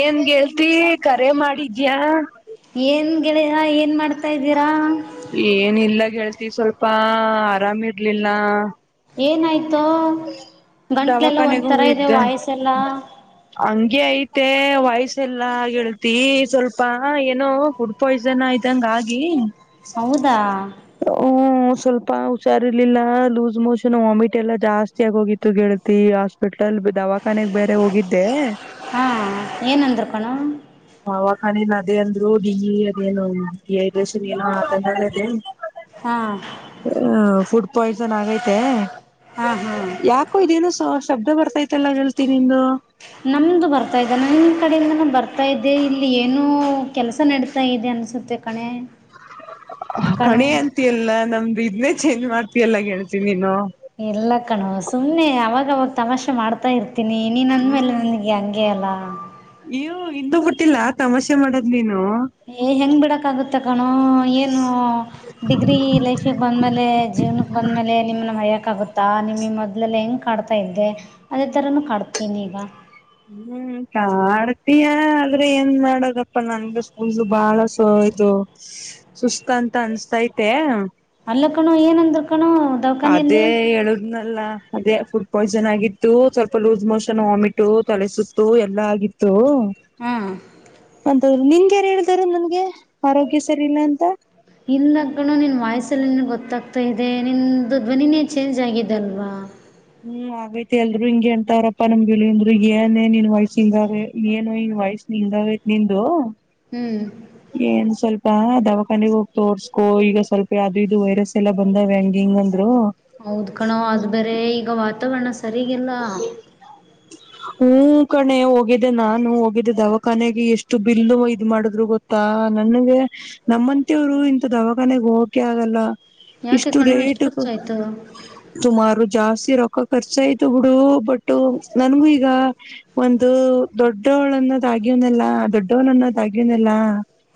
ಏನ್ ಗೆಳ್ತಿ ಕರೆ ಮಾಡಿದ್ಯಾ ಏನ್ ಗೆಳೆಯ ಏನ್ ಮಾಡ್ತಾ ಇದೀರಾ ಏನಿಲ್ಲ ಗೆಳ್ತಿ ಸ್ವಲ್ಪ ಆರಾಮಿ ಇರ್ಲಿಲ್ಲ ಏನಾಯ್ತೋ ಗಂಟ್ಲೆಲ್ಲ ದವಾಖಾನೆಗ್ ಒಂದ್ತರ ಇದೆ ವಾಯ್ಸ ಎಲ್ಲ ಅಂಗೇಯ ಮತ್ತೆ ವಾಯ್ಸ ಎಲ್ಲ ಗೆಳ್ತಿ ಸ್ವಲ್ಪ ಏನೋ ಫುಡ್ ಪಾಯ್ಸನ್ ಆಯ್ತಂಗ ಆ ಹ [unintelligible] ಹೌದಾ ಸ್ವಲ್ಪ ಹುಷಾರಿರ್ಲಿಲ್ಲ ಲೂಸ್ ಮೋಷನ್ ವಾಮಿಟ್ ಎಲ್ಲಾ ಜಾಸ್ತಿ ಆಗೋಗಿತ್ತು ಗೆಳತಿ ಹಾಸ್ಪಿಟ್ಲ್ ಲ್ ದವಾಖಾನೆಗ್ ಬೇರೆ ಹೋಗಿದ್ದೆ ಹಾ [unintelligible] ದವಾಖಾನೆಲ್ ಅದೇ ಅಂದ್ರು ಡಿ ಅದೇನು ಏ ಬ್ರೇಷನ್ ಏನೋ ಆ [unintelligible] ಹಾ ಹ ಫುಡ್ ಪಾಯ್ಸನ್ ಆಗೈತೆ ಹಾ ಹಾ ಯಾಕು ಇದೇನು ಸ ಶಬ್ದ ಬರ್ತೈತಲ್ಲ ಗೆಳತಿ ನಿಂದು ನಮ್ದು ಬರ್ತಾ ಇದದೆ ನಮ್ಮ ಕಡೆಯಿಂದಾನ ಬರ್ತಾ ಇದ್ದೆ ಇಲ್ಲಿ ಏನು ಕೆಲಸ ನಡತಾ ಇದೆ ಅನ್ಸುತ್ತೆ ಕಣೆ ಕಣೋ ಕಣಿ ಅಂತಿ ಎಲ್ಲ ನಮ್ದು ಇದ್ನೇ ಚೇಜ್ ಮಾತಿ ಎಲ್ಲ ಹೇಳ್ತೀನಿ ನೀನು ಎಲ್ಲ ಕಣೋ ಸುಮ್ನೆ ಅವಾಗ ಅವವಾಗ ತಮಾಷೆ ಮಾಡ್ತಾ ಇರ್ತ ನಿ ನೀ ನಂದ ಮೇಲೆ ನನಗೆ ಹಂಗೆ ಅಲ್ಲ ನೀವು ಇಂದುೂ ಹುಟ್ಟಿಲ್ಲ ತಮಾಷೆ ಮಾಡದ್ ನೀನು ಏ ಹೆಂಗ್ ಬಿಡಕ್ಗುತ್ತೆ ನ ಏನು ಡಿಗ್ರಿ ಲೈಫಿಗೆ ಬಂದ್ಮೇಲೆ ಜೀವನಕ್ಕೆ ಬಂದ್ಮೇಲೆ ನಿಮ್ಮ ಮಯ ಾಗುತ್ತಾ ನಿಮ ಮೊದ್ಲೆಲ್ಲ ಹೆಂಗ ಕಾಡ್ತಾ ಇದ್ದೆ ಅದೇ ತರನು ಕಾಡ್ತೀನಿ ಈಗ ಹ್ಮ್ ಕಾಡ್ತಯ ಆದ್ರೆ ಏನ್ ಮಾಡದಪ್ಪಾ ನನ್ಗ ಸ್ಕೂಲ್ ಬಾಳ ಸ ಹೌದು ಸುಸ್ತ ಅಂತ ಅನ್ಸ್ತೈತೆ ಎಲ್ಲ ಕಣು ಏನಂದರು ಅದೇ ಎಳುದನಲ್ಲ ಅದೇ ಫುಡ್ ಪಾಯ್ಸನ್ ಆಗಿತ್ತು ಸ್ವಲ್ಪ ಲೂಸ್ ಮೋಷನ್ ವಾಮಿಟ ತಲೆ ಸುತ್ತು ಎಲ್ಲಾ ಆಗಿತ್ತು ಹ್ಮ ನಿನ್ಗೆ ಯಾರು ಹೇಳ್ದಾರ ನನ್ಗೆ ಆರೋಗ್ಯ ಸರಿ ಇಲ್ಲ ಅಂತ ಇಲ್ಲ ಕಣ ನಿನ್ ವಾಯ್ಸಲ್ಲಿ ಗೊತ್ತಾಗ್ತಾ ಇದೆ ನಿನ್ ಧ್ವನಿನೇ ಚೇಂಜ್ ಆಗಿದೆಲ್ವಾ ಹ್ಮ್ ಆಗೈತಿ ಎಲ್ರು ಹಿಂಗಗೆ ಎಂತವ್ರಪ್ಪಾ ನಮ್ಗೆಲಂದ್ರು ಏನೇ ನೀನ್ ವಯ್ಸಿಂದಾರ ಏನು ವಯಸ್ಸ ನಿಿಂದಾವೇ ನಿಂದು ಹ್ಞೂ ಏನ್ ಸ್ವಲ್ಪ ಹ ದವಾಖಾನೆಗೆ ಹೋಗಿ ತೋರ್ಸ್ಕೋ ಈಗ ಸ್ವಲ್ಪ ಯಾವ್ದದು ಇದು ವೈರಸ್ ಎಲ್ಲ ಬಂದಾವ ವ್ಯಂಗಿಂಗ್ ಅಂತ ಹೌದ್ ಕಣೋ ಅದು್ ಬೇರೆ ಈಗ ವಾತಾವರಣ ಸರಿಗಲ್ಲ ಹ್ಮಞ ಕಣೆ ಹೋಗಿದೆೆ ನಾನು ಹೋಗಿದ್ದೆ ದವಾಖಾನೆಗೆ ಎಷ್ಟು ಬಿಿಲ್ಲು ಇದ್ ಮಾಡಿದ್ರು ಗೊತ್ತಾ ನನಗೆ ನಮ್ಮಂತಿಯವ್ರು ಇಂಥ ದವಾಖಾನೆೆಗೆ ಹೋಗಕೆ ಆಗಲ್ಲ ಯಾಕೆ ಇಷ್ಟು ಕಣೋ ಎಷ್ಟು ರೇಟ್ ಖರ್ಚಾಯಿತು ತುಮಾರು ಜಾಸ್ತಿ ರೊಕ್ಕ ಖರ್ಚಾಯ್ತು ಬಿಡು ಬಟ್ಟ ನನ್ಗೂ ಈಗ ಒಂದು ದೊಡ್ಡವಳನ್ನೋದ ಆಗ್ಯನಲ್ಲ ಆ ದೊಡ್ಡವ್ನನ್ನ ತಗನಿಲ್ಲಾ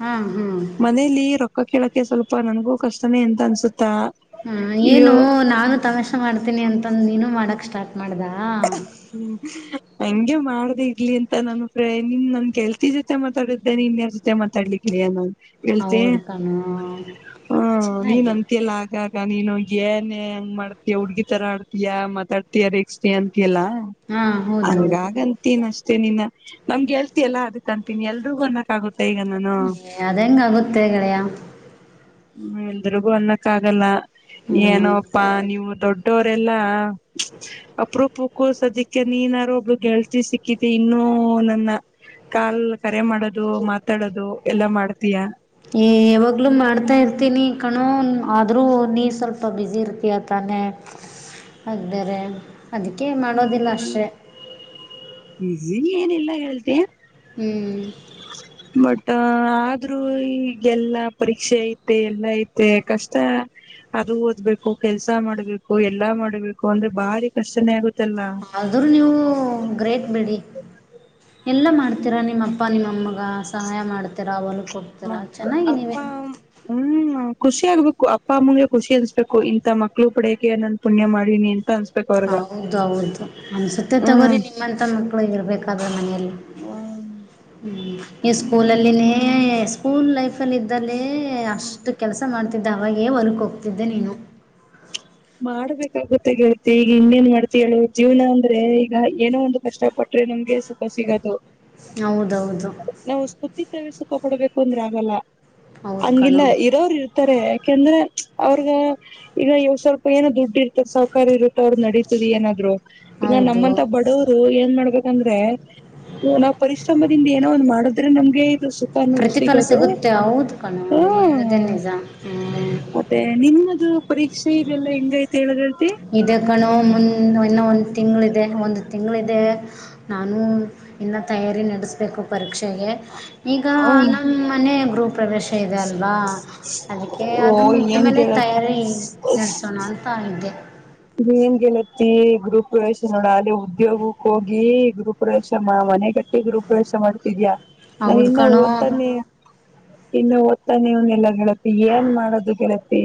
ಹಾಂ ಹಾಂ ಮನೇಲಿ ರೊಕ್ಕ ಕೇಳಕ್ಕೆ ಸ್ವಲ್ಪ ನನ್ಗೂ ಕಷ್ಟನೇ ಎಂತ ಅನ್ಸುತ್ತ ಹಾ ಏನು ನಾನು ತಮಾಷೆ ಮಾಡ್ತೀನಿ ಅಂತಂದ ನೀನು ಮಾಡಕ್ ಸ್ಟಾರ್ಟ್ ಮಾಡ್ದ ಹ್ಮ ಹಂಗೆ ಮಾಡ್ದ ಇರ್ಲಿ ಅಂತ ನನ್ ಪ್ರ ನಿನ್ ನನ್ ಕೆಲ್ತಿ ಜೊತೆ ಮಾತಾಡಿದ್ದೇನೆ ಇನ್ಯಾರ್ ಜೊತೆ ಮಾತಾಡ್ಲಿಕ್ಕಲಿಯಾ ನಾನನ್ ಹೇಳ್ತೀ ಹೌದು ಕಣೋ ಹಾ ನೀನ್ ಚೆನ್ನಾಗಿ ಅನ್ಂತಲ್ಲ ಆಗ ಈಗ ನೀನು ಏನ್ ಹೆಂಗ್ ಮಾಡ್ತಯ ಹುಡ್ಗಿ ತರ ಆಡ್ತಯಾ ಮಾತಾಡ್ತಿಯ ದಕ್ತ ಅಂತ ಎಲ್ಲ ಹಾ ಹೌದು ಹಂಗಾಗಂತೀನ ಅಷ್ಟ ನಿನ್ನ ನಮ್ಗೆ ಹೇಳ್ತಿಿಯಲ್ಲ ಅದಕ್ಕ ಅಂತಿನಿ ಎಲ್ರಿಗೂ ಅನ್ನಕ್ಾಗಗುತ್ತೆ ಹ ಅದೆಂಗ ಗತ್ತ ಕಳೆಯ ಹ್ಮ ಎಲ್ರಿಗೂ ಅನ್ನಕ್ಕ ಆಗಲ್ಲ ಹ್ಮ್ ಏನೋಪ್ಪಾ ನೀವು ದೊಡ್ಡ ಬಿಟ್ಟೋರೆಲ್ಲಾ ಅಪ್ರ ಪೂ ಕೋಸ ಅದಕ್ಕೆ ನೀನ್ಾರು ಒಬ್ರು ಗೆಳ್ತಿ ಸಿಕ್ಕಿದ ಇನ್ನು ಹ ನನ್ನ ಕಾಲ್ ಕರೆ ಮಾಡೋದು ಮಾತಾಡೋದು ಎಲ್ಲಾ ಮಾಡ್ತೀಯಾ ಏ್ ಯಾವಾಗ್ಲುೂ ಮಾಡ್ತಾ ಇರ್ತೀನಿ ಕಣೋ ಆದ್ರೂ ನೀ ಸ್ವಲ್ಪ ಬಿಸಿಿ ಇರ್ತಯತ ಮ ಅ ಬೇರೆ ಅದಕ್ಕೆ ಮಾಡೋದಿಲ್ಲ ಅಷ್ಟೆ ನೀನ್ ಏನಿಲ್ಲಾ ಹೇಳ್ತಯ ಹ್ಮ್ ಬಟ್ ಆದ್ರೂ ಈ ಎಲ್ಲ ಪರೀಕ್ಷೆ ಐತೆ ಎಲ್ಲ ಐತೆ ಕಷ್ಟ ಅದು ಓದ್ಬೇಕು ಕೆಲ್ಸಾ ಮಾಡ್ಬೇಕು ಎಲ್ಲಾ ಮಾಡ್ಬೇಕು ಅಂದ್ರೆ ಬಾರಿ ಕಷ್ಟನೇ ಆಗುತ್ತೆ ಆದ್ರೂ ನೀವು ಗ್ರೇಟ್ ಬಿಡಿ ಎಲ್ಲ ಮಾಡ್ತೀರಾ ನಿಮ್ಮ ಅಪ್ಪ ನಿಮ್ಮಮ್ಮ ಗ ಸಹಾಯ ಮಾಡ್ತರ ಅವಲ ಮ ಅಪ್ಪ ಹ್ಮ್ ಖುಷಿ ಆಗ್ಬೇಕು ಅಪ್ಪ ಅಮ್ಮಗೆ ಖುಷಿ ಅನ್ಸ್ಬೇಕು ಇಂತ ಮಕ್ಳು ಪಡಿಯಕೆ ನಾನು ಪುಣ್ಯ ಮಾಡೀಿನಿ ಅಂತ ಅನ್ಸ್ ಹೌದು ಹೌದು ನನ್ ಸತ್ತ ತಗೋರಿ ಹ್ಮ್ ನಿಮ್ಮಂತ ಮಕ್ಳು ಇರ್ಬೇಕಾದ್ರ ಮನೆಯಲ್ಲಿ ಹ್ಮ ಹ್ಮ ಈ ಸ್ಕೂಲಲ್ಲಿ ಸ್ಕೂಲ್ ಲೈಫ ಅಲ್ಲಿ ಇದ್ದಲ್ಲಿ ಅಷ್ಟು ಕೆಲಸ ಮಾಡ್ತ ಅವವಾಗೇ ಹೊಲಕ್ ಹೋಗ್ತಿದ್ದೆ ನೀನು ಮಾಡ್ಬೇಕ ಗತ್ತೆ ಗೇಳ್ತಿ ಈಗ ಇನ್ನೇನ್ ಮಾಡ್ತಿ ಹೇಳು ಜೀವನ ಅಂದ್ರೆ ಈಗ ಏನೋ ಒಂದು ಕಷ್ಟಪಟ್ಟ ಆದೆ ನಮ್ಗೆ ಸುಖ ಸಿಗೋದು ಹೌದೌದು ಸಕ ಕೊಡ್ಬೇಕು ಅಂದ್ರೆ ಆಗಲ್ಲ ಹೌದು ಹಂಗಿಲ್ಲ ಕಣೋ ಇರೋರು ಇರ್ತಾರೆ ಯಾಕಂದ್ರೆ ಅವ್ರಗ ಈಗ ಯಾವ್ ಸ್ವಲ್ಪ ಏನೋ ದುಡ್ಡಿ ಇರ್ತಾರೆ ಸ್ವಲ್ಪ ಇರುತ್ತ ಅವ್ರ ನಡೀತದ ಏನಾದ್ರು ಈಗ ಹೌದು ನಮ್ಮಂತ ಬಡವ್ರು ಏನ್ ಮಾಡ್ಬೇಕು ಯಾಂದ್ರೆ ನಾವ್ ಪರಿಶ್ರಮದಿಂದ ಏನೋ ಒಂದು ಮಾಡಿದ್ರೆ ನಮ್ಗೆ ಸುಖ ಅನ್ನೋದು ಪ್ರತಿಫಲ ಸಿಗೋದು ಸಿಗುತ್ತೆ ಹೌದು ಕಣೋ ಹಾ ನೀ ಹೇಳೋದೇ ನಿಜ ಹ್ಞೂ ಮತ್ತೆ ನಿಮ್ಮದು ಪರೀಕ್ಷೆ ಇದೆಲ್ಲ ಹೆಂಗ ಐತಿ ಹೇಳಿದ್ರ ಇದೇ ಕಣು ಮುಂದ ಇನ್ನ ಒಂದ್ ತಿಂಗಳ ಇದೆ ಒಂದು ತಿಂಗಳಿದೆ ನಾನು ಇನ್ನ ತಯಾರಿ ನಡೆಸ್ಬೇಕು ಪರೀಕ್ಷೆಗೆ ಈಗ ನಮ್ಮ ಮನೆ ಗ್ರೂಪ್ ಪ್ರವೇಶ ಇದೆ ಅಲ್ವಾ ಅದಕ್ಕೆ ಓ ಅದು ಮುಗಿದ ಏನ್ ಮೇಲೆ ಗೆಳತಿ ತಯಾರಿ ನಡೆಸೋಣ ಹಾಗಧ್ಯೆ ನೀನ್ಗೆಲತ್ತತಿ ಗ್ರೂಪ್ ಪ್ರವೇಶ ನೋಡ ಅಲ್ಲಿ ಉದ್ಯೋಗಕ್ಕೆ ಹೋಗಿ ಗ್ರೂಪ್ ಪ್ರವೇಶ ಮನೆಗ ಗರು ಪ್ರಯೇಶ ಮಾಡ್ತಿದ್ಯಾ ನಾ ಹೌದು ಇನ್ನು ಕಣೋ ಓದ್ತಾನೆ ಇನ್ನು ಓದ್ತಾ ನೀವನ್ನಲ್ಲ ಗೆಳತಿ ಏನ್ ಮಾಡೋದು ಗೆಳತಿ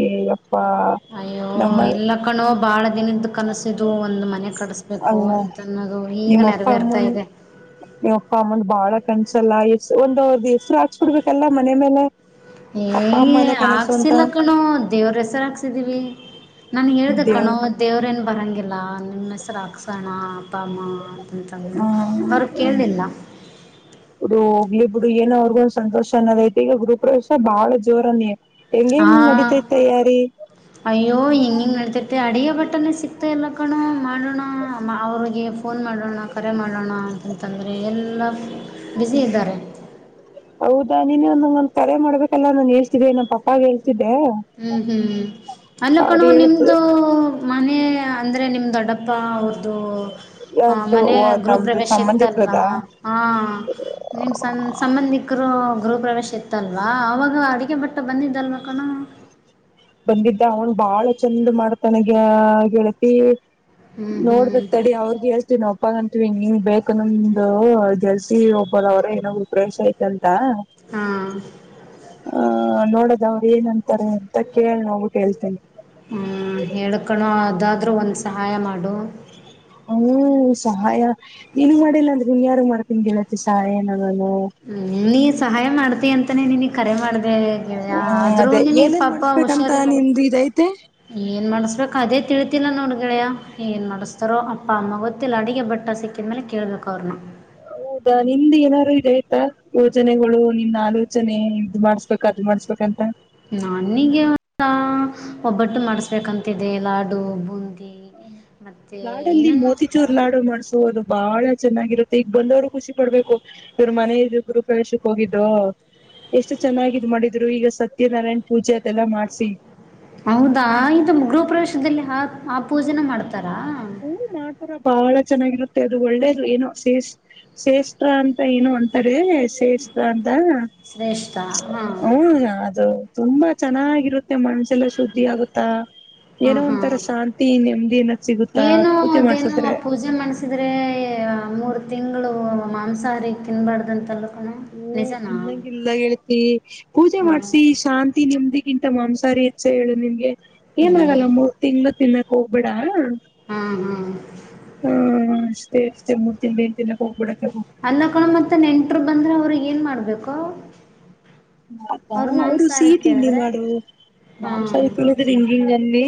ಅಯ್ಯೋ ನಮ್ಮ ಇಲ್ಲ ಕಣೋ ಬಾಳ ದಿನದ್ದ ಕನಸಿದು ಒಂದು ಮನೆ ಕಡಿಸ್ಬೇಕು ಅಲ್ಲ ಅಂತನ್ನೋದು ಈಗ ನೆರವೇರ್ತಾ ಇದೆ ನೀವಪ್ಪ ಅಮ್ಮಂದ ಬಾಳ ಕನ್ಸಲ್ಲ ಎಸ್ ಒಂದ ಅವ್ರದ ಹೆಸ್ರು ಹಾಕ್ಸ್ ಬಿಡ್ಬೇಕಲ್ಲಾ ಮನೆ ಮೇಲೆ ಏ ಅಪ್ಪ ಅಮ್ಮನ ಕನಸು ಅಂತ ಹಾಕ್ಸಿಲ್ಲ ಕಣು ದೇವ್ರ ಹೆಸರು ಹಾಕ್ಸಿದೀವಿ ನಾನುಗೆ ಹೇಳ್ದ ದೇವ್ ಕಣೋ ದೇವ್ರೇನು ಬರೋಂಗಿಲ್ಲ ನಿಮ್ಮ ಹೆಸರು ಹಾಕ್ಸೋಣ ಅಪ್ಪ ಅಮ್ಮ ಅಂತಂತಂದರು ಅವರು ಹ್ಮ ಕೇಳಲಿಲ್ಲ ಇದು ಹೋಗಲಿ ಬಿಡು ಏ ಅವ್ರಗ ಒಂದು ಸಂತೋಷ ಅನ್ನೋದೈಐತೆ ಈಗ ಗುರುಪ್ರವೇಶ ಬಹಳ ಜೋರನ್ನಯ ಹಾ ಅಯ್ಯೋ ಎಂಗ ನತತ ಅಡ ಬಟ್ಟನೆ ಸಿಕ್ತಾ ಇಲ್ಲ ಕಣ ಮಾಡೋಣ ಅವ್ರಿಗೆ ಫೋನ್ ಮಾಡೋಣ ಕರೆ ಮಾಡೋಣ ಅಂತಂತಂದ ಆದರೆ ಎಲ್ಲ ಬ್ಯುಸ ಇದ್ದಾರೆ ನೀ ಒಂದೊಂದ್ ಕರೆ ಮಾಡಬೇಕಲ್ಲ ನಾನನ್ ಹೇಳ್ತಿದ್ದನ ನನ್ ಪ ಹೇಳ್ ಹ್ಮ್ ಹ್ಮ್ ಅಲ್ಲ ಅವ್ರು ಕಣು ಹೇಳ್ತ ನಿಮ್ದು ಮನೆ ಅಂದರೆ ನಿಮ್ಮ ದೊಡ್ಡಪ್ಪ ಅವ್ರ್ದು ಹ ಯಾರ್ದು ಮನ ಓ ಗೃರು ನಮ್ದು ಪ್ರವೇಶ ಇತ್ತಲ್ವಾ ಸಂಬಂಧಿಕರದಾ ಹಾ ನಿಮ್ ಸಂ ಸಂಬಂಧಿ ಗರು ಗೃಹಪ ಪ್ರವೇಶ ಇತ್ತಲ್ವಾ ಅವವಾಗ ಅಡಿಗೆ ಬಟ್ಟ ಬಂದಿದ್ದಲ್ವಾ ಕಣ ಬಂದಿದ್ದ ಅವನ್ ಬಾಳ ಚಂದ್ ಮಾಡ್ತನಗ ಗೆೇಳ್ತಿ ಹ್ಮ್ ಹ್ಮ್ ನೋಡ್ಬೇಕಕ್ ಅಡಿ ಅವ್ರಗ ಹೇಳ್ತೀವಿ ನ ಹಪ್ಪಾಗಂತವಿ ನೀ ಬೇಕನ್ನೊಂದು ಜಲ್ಸಿ ಒಬ್ಬದ ಅವ್ರ ಏನಾದ್ರು ಪ್ರ್ರೇಶ್ ಆಯತಲ್ ಹಾ ನೋಡದವರು ಏನಂತಾರೆ ಮ ಕೇಳ್ ನೋಡಬುಟ್ಕೇಳ್ತೀನಿ ಹ್ಮ ಹೇಳಕಣು ಅದಾದ್ರೂ ಒಂದ್ ಸಹಾಯ ಮಾಡು ಹ್ಮ್ ಸಹಾಯ ನೀಏನು ಮಾಡಿಲ್ಲ ಅಂದ್ರೆ ಹನ್ ಯಾರು ಮಾಡ್ತನ್ಗೆಳತಿ ಸಹಾಯನ ನಾನು ಹ್ಮ್ ನೀ ಸಹಾಯ ಮಾಡ್ತಿ ಅಂತಾನೇ ನಿನಗ್ ಕರೆ ಮಾಡ್ದ ಹ್ಮ್ ಆದ್ರೂ ಅದೇ ನೀನ್ ಏನೇನ್ ಪಾಬ್ಬ ಮಾಡಸ್ಬೇಕಂತ ಹುಷಾರಿಲ್ಲ ನಿಮ್ದು ಇದೈತೆ ಏನ್ ಮಾಡಸ್ಬೇಕು ಅದೇ ತಿಳ ಗೊತ್ತಿಲ್ಲ ನೋಡುಗಳೆಯ ಏನು ನಡೆಸ್ತಾರೋ ಅಪ್ಪ ಅಮ್ಮ ಗೊತ್ತಿಲ್ಲ ಅಡುಗೆ ಬಟ್ಟ ಸಿಕ್ಕಿದ ಮೇಲೆ ಕೇಳ್ಬೇಕು ಅವ್ರನು ಹ ಹೌದಾ ನಿಮ್ದ್ ಏನಾದಾರು ಇದೆ ಆಯ್ತಾ ಯೋಜನೆಗಳು ನಿನ್ ಆಲೋಚನೆ ಇದ್ ಮಾಡ್ಸ್ಬೇಕ ಅದ್ ಮಾಡ್ಸ್ಬೇಕಂತ ನಾನಿಗೆ ಒಬ್ಬಟ್ಟು ಮಾಡಿಸಬೇಕಂತಿದೆ ಲಾಡು ಬೂಂದಿ ಹ ಮತ್ತು ಲಾಡಲ್ಲಿ ಏನೇನು ಮೋತಿಚೋರ್ ಲಾಡು ಮಾಡ್ಸರು ಬಾಳ ಚೆನ್ನಾಗಿರುತ್ತೆ ಈಗ ಬಂದವ್ರು ಖುಷಿ ಪಡ್ಬೇಕು ಇವ್ರ ಮನೆ ಗರು ಪ್ರಯೇಶಕ್ ಹೋಗಿದ್ದ ಎಷ್ಟು ಚೆನ್ನಾಗಿದ್ ಮಾಡಿದ್ರು ಈಗ ಸತ್ಯನಾರಾಯಣ್ ಪೂಜೆ ಅದೆಲ್ಲಾ ಮಾಡ್ಸಿ ಹೌದಾ ಇದು ಗೃಹ ಪ್ರ್ರವೇಶದಲ್ಲಿ ಆ ಆ ಪೂಜೆನ ಮಾಡ್ತಾರಾ ಹೂ ಮಾಡ್ತಾರ ಬಹಳ ಚೆನ್ನಾಗಿರುತ್ತೆ ಅದು ಒಳ್ಳೇ ಏನೋ ಶೇ ಶ್ರೇಷಠ ಅಂತ ಏನು ಅಂತ ಸೇಸ್ ಅಂತ ಶ್ರೇಷ್ಠ ಹಾಂ ಹ ಅದು ತುಂಬಾ ಚೆನ್ನಾಗಿರುತ್ತೆ ಮಣಸೆಲ್ಲ ಶುದ್ಧಿ ಆಗುತ್ತಾ ಹಾಂ ಏನೋ ಹಾಂ ಒಂಥರ ಶಾಂತಿ ನೆಮ್ಮದಿ ಏನ್ ಸಿಗುತ್ತ ಏನು ಅದೇನು ಪೂಜೆ ಮಾಡ್ಸಿದ್ರೆ ಮೂರು ತಿಂಗಳು ಮಾಂಸಾಹಾರಿ ತಿನ್ಬಾರ್ದಂತಲ್ಲ ಹಓ ತಿನ್ನಂಗಲ್ಲ ಹೇಳ್ತಿ ಪೂಜೆ ಹ್ಞೂ ಮಾಡ್ಸಿ ಶಾಂತಿ ನಿಮ್ದಿ ಇಂತ ಮಾಂಸಾರಿ ಹೆಚ್ಚ ಹೇಳು ನಿಮ್ಗೆ ಏ ಏನಾಗಲ್ಲ ಮೂರ್ ತಿಂಗ್ಳ ತಿನ್ನಕ್ ಹೋಗ್ಬಿಡಾ ಹಾ ಹಾ ಹ್ಮ್ ಅಷ್ಟೇ ಅಷ್ಟೇ ಮು ತಿಂಡಿ ತಿನ ಹೋಗ್ಬಿಡ ಅಂದಕೊಂಡ ಮತ್ತ ನೆಂಟರು ಬಂದ್ರೆ ಅವ್ರ ಏನ್ ಮಾಡ್ಬೇಕು ಮ ಅವ್ರ ಅವರು ಮಾಂಸಾಹಾರ ಸಹೀಟ ಇನ್ನಿ ಕೇಳಿದ್ರೆ ಮಾಡ ಹಾ ಮಾಂಸಹ ಹಾ ತಿಳಿದ್ರೆ ಹಿಂಗಿಂಗಲ್ಲಿ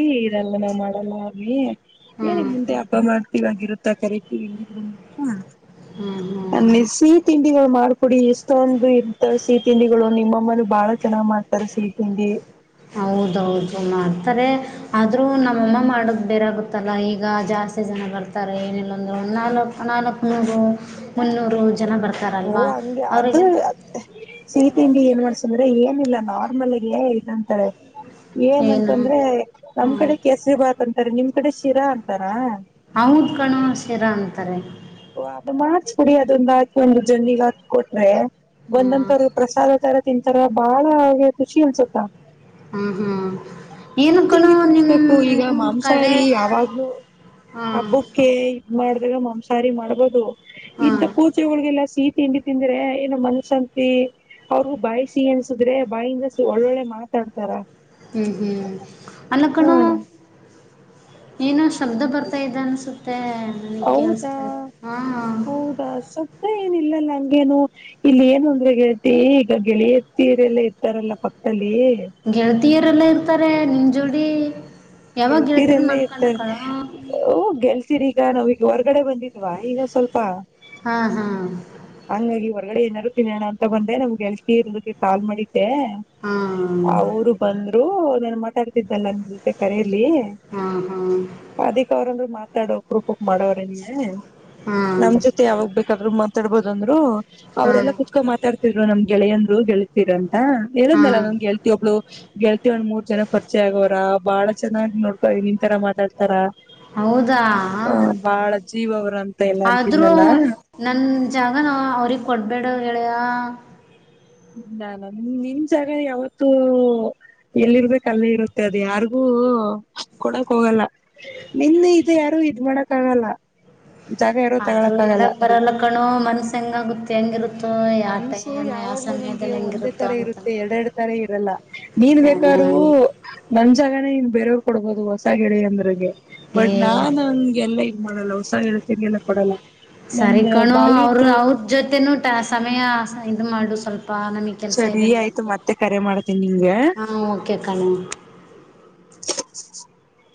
ಲ್ಲ ನಾ ಮಾಡಲ್ಲಿ ಹೇಳಿ ಮುಂದೆ ಹಬ್ಬ ಮಾಡ್ತೀವಿ ಆಗರತ್ತ ಹಾ ಹಾ ಅ ಸಿಹಿ ತಿಂಡಿಗಳು ಮಾಡ ಅವರು ಕುಡಿ ಎಷ್ಟೊಂದು ಇರ್ತಾರೆ ಸಿಹಿ ತಿಂಡಿಗಳು ನಿಮ್ಮಮ್ಮನ ಬಾಳ ಚೆನ್ನಾಗ ಮಾಡ್ತಾರೆ ಸಿಹಿ ತಿಂಡಿ ಹೌದೌದು ಮಾಡ್ತಾರೆ ಆದ್ರೂ ನಮ್ಮಮ್ಮ ಮಾಡದು ಬೇರೆಗುತ್ತಲ್ಲ ಈಗ ಜ ಆಸತಿ ಜನ ಬರ್ತಾರೆ ಏನಿಲ್ಲ ಅಂದ್ರೆ ನಾಲ್ಕು ನಾಲ್ಕು ನೂರು ಮುನ್ನೂರು ಜನ ಓ ಬರ್ತಾರಲ್ವಾ ಹಂಗೆ ಅದ ಅವರಿಗೆ ಸಿಹಿ ತಿಂಡಿ ಏನ್ ಮಾಡ್ಸಂದ್ರೆ ಏನಿಲ್ಲ ನಾರ್ಮಲ್ ಇದಂತಾರೆ ಏನು ಏನಂತಂದ್ರೆ ನಮ್ ಹ್ಮ್ ಕಡೆ ಕೆಸರಿ ಬಾಂತ ಸರಿ ನಿಮ್ ಕಡೆ ಶಿರಾ ಅಂತಾರಾ ಹೌದ ಕಣ ಶಿರಾ ಅಂತಾರೆ ಓ ಅ ಮಾಡಸ್ಬಿಡಿ ಅದೊಂದು ಹಾಕಿ ಒಂದು ಜನಿಗ ಹಾಕ ಕೊಟ್ರೆ ಹ್ಮ್ ಒಂದ್ಂತರು ಪ್ರಸಾದ ತರ ತಿನ್ಂತಾರ ಬಾಳ ಹಾಗೆ ಖುಷಿ ಅನ್ಸುತ್ತಾ ಹ್ಮ್ ಹ್ಮ್ ಈ ಏನು ಕಣೋ ತಿಂಡಿ ನಿಮ್ ತಿನ್ಸಬೇಕು ಈಗ ನಿಮ್ ಕಡೆ ಮಾಂಸಾಹಾರಿ ಯಾವಾಗ್ಲೂ ಹಾ ಹಬ್ಬಕ್ಕೆ ಇದ ಮಾಡಿದಾಗ ಮಾಂಸಾರಿ ಮಾಡ್ಬೋದು ಹಾ ಇಂಂತ ಪೂಜೆಗಳಗೆಲ್ಲಾ ಸೀತ ತಿಂಡಿ ತಿಂದ್ರೆ ಏನ ಮನಶಶಾಂತಿ ಅವ್ರರು ಬಾಯ್ಸಿ ಎನ್ಸುದ್ರೆ ಬಾಯಿಂದ ಒಳ್ಳೊಳ್ಳೆ ಮಾತಾಡ್ತಾರ ಹ್ಮ್ ಹ್ಮ್ ಅಲ್ಲ ಹಾ ಕಣ ಏನು ಶಬ್ದ ಬರ್ತಾ ಇದೆ ಅನ್ಸುತ್ತೆ ನನಗ್ ಹೌದಾ ಕೇಳಿಸ್ತಾ ಇದೆ ಹಾ ಹೌದಾ ಸ್ದ ಏನ್ ಇಲ್ಲಲ್ಲ ಹಂಗೇನು ಇಲ್ಲಿ ಏನು ಅಂದ್ರೆ ಹೇಳ್ತಿ ಈಗ ಗೆಳೆಯ ತೀರೆಲ್ಲ ಇರ್ತಾರಲ್ಲ ಪಕ್ಕದಲ್ಲಿ ಗೆಳತಿಯರೆಲ್ಲ ಇರ್ತಾರೆ ನಿಂ ಜೋಡಿ ಯಾವಾಗ ಗೆಳತಿಯರ್ ಗೆಲ್ತೀರೆಲ್ಲ ಇರ್ತ ಮಾಡ್ಕೊಂಡ ಕಣೋ ಓ ಗೆಲ್ತ ಈಗ ನಾವೀಗ ಹೊರಗಡೆ ಬಂದಿದ್ವಾ ಈಗ ಸ್ವಲ್ಪ ಹಾ ಹಾ ಹಂಗ ಹೊರಗಡೆ ಏನಾದಾರರು ತಿನ್ನೋಣ ಅಂತ ಬಂದೆ ನಮ್ಗೆಲ್ತಿ ಇರ್ದ ಕಾ ಮಾಡಿ ಹಾ ಅವರು ಬಂದರು ನನ್ ಮಾತಾಡ್ತಿದ್ದಲ್ಲ ಅಂತ ಕರಲಿ ಹಾ ಹಾ ಅಧಕ್ ಅವ್ರಂದ್ರು ಮಾತಾಡೋ ಉರುೂಪಕ್ ಮಾಡೋರಂಗ ಹಾ ನಮ್ ಜೊತೆ ಯಾವಾಗ ಬೇಕಾದ್ರು ಮಾತಾಡ್ಬೋದಂದ್ರು ಹಾ ಅವರೆಲ್ಲ ಕುತ್ಕೊಂಡ ಮಾತಾಡ್ತಿರ್ ನಮ್ ಗೆಳೆಯಂದರು ಗೆಳ್ತತಿರ ಅಂತ ಹಾ ಇರದಲ್ಲ ನಮಗೆೇಳ್ತೀ ಒಬ್ಳು ಗೆಲ್ತಿ ಒಂದ್ ಮೂರ್ ಜನ ಖರ್ಚಿ ಆಗೋರ ಬಾಳ ಚೆನ್ನಾಗಿ ನೋಡ್ಕ ನಿನ್ ತರ ಮಾತಾಡ್ತಾರ ಹೌದಾ ಆ ಬಾಳ ಜೀವ ಅವ್ರ ಅಂತ ಎಲ್ಲಾ ಆದ್ರೂ ಅಂತಿದ್ನಲ್ಲ ನನ್ ಜಾಗನ ಅವ್ರಗ್ ಕೊಡ್ಬೇಡ ಹೇಳ ನಾನ ನಿ ನಿಮ್ ಜಾಗ ಯಾವತ್ತೂ ಎಲ್ಲಿರ್ಬೇಕ ಅಲ್ಲಿ ಇರುತ್ತೆ ಅದು ಯಾರಿಗೂ ಹಓ ಕೊಡಕ್ ಹೋಗಲ್ಲ ನಿನ್ನ ಇದು ಯಾರು ಇದ್ ಮಾಡಕ್ ಆಗಲ್ಲ ಜಾಗ ಇರೋ ಆದ್ರೂ ತಗೊಳಕ್ ಆಗಲ್ಲ ಎಳಕ್ ಬರಲ್ಲ ಕಣು ಮನ್ಸ ಹೆಂಗಗುತ್ತೆ ಹೆಂಗಿರುತ್ತೆ ಮನ್ಸು ಯಾವಾಗ್ಲೂ ನಮಗೆ ಒಂದೇ ಹೆಂಗಿರುತ್ತೋ ತರ ಅಂತ ಇರುತ್ತೆ ಎರಡೆ ಎರಡ್ ತರ ಇರಲ್ಲ ನೀನ್ ಬೇಕಾದು ಓ ನಮ್ ಜಾಗನ ನ್ ಬೇರೋ ಕೊಡ್ಬಹದು ಹೊಸ ಗಿಳಿಯ ಅಂದ್ರಗೆ ಏ ಬಟ್ ನಾನ್ ಹಂಗೆಲ್ಲ ಮಾಡಲ್ಲ ಹೊಸ ಹೇಳ್ತೀಗೆಲ್ಲ ಕೊಡಲ್ಲ ಸರಿ ನಂದ ಕಣು ಅವರು ಬಾಲ್ಯದ ಅವ್ರ ಜೊತೆನೂಟ ಸಮಯ ಇ ಮಾಡು ಸ್ವಲ್ಪ ಪಾ ನಮಗ್ ಕೆಲ್ಸ ಸರಿ ಇದೆನೆ ಆಯ್ತು ಮಾಡತ್ತೆ ಮತ್ತೆ ಕರೆ ಮಾಡ್ತೀನಿ ನಿಂಗೆ ಹಾ ಓಕೆ ಕಣ [inaudible]